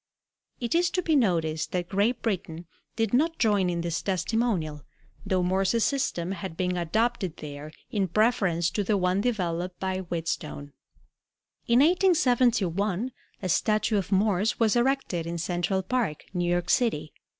It is to be noticed that Great Britain did not join in this testimonial, though Morse's system had been adopted there in preference to the one developed by Wheatstone. In 1871 a statue of Morse was erected in Central Park, New York City.